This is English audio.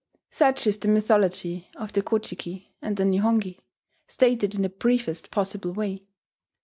Such is the mythology of the Ko ji ki and the Nihongi, stated in the briefest possible way.